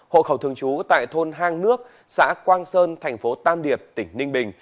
hộ khẩu thường trú tại thôn hang nước xã quang sơn thành phố tam điệp tỉnh ninh bình